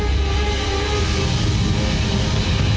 untuk merasakan bahkan